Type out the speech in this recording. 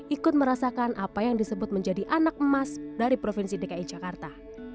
ikut merasakan apa yang disebut menjadi anak emas dari provinsi dki jakarta